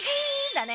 だね。